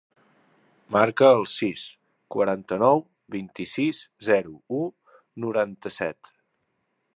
Marca el sis, quaranta-nou, vint-i-sis, zero, u, noranta-set.